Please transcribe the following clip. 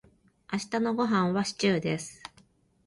明日のごはんはシチューです。